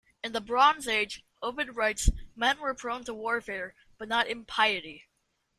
In the Bronze Age, Ovid writes, men were prone to warfare, but not impiety.